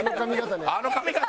あの髪形。